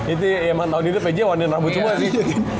itu emang tahun ini pge warnain rambut cuma sih